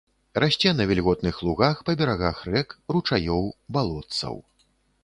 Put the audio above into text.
Расце на вільготных лугах, па берагах рэк, ручаёў, балотцаў.